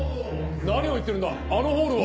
何を言ってるんだあのホールは。